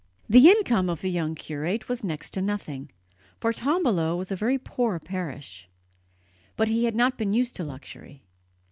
The income of the young curate was next to nothing, for Tombolo was a very poor parish; but he had not been used to luxury.